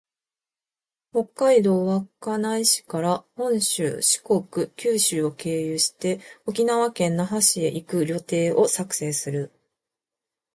北海道稚内市から本州、四国、九州を経由して、沖縄県那覇市へ行く旅程を作成する